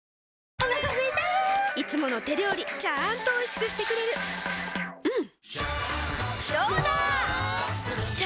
お腹すいたいつもの手料理ちゃんとおいしくしてくれるジューうんどうだわ！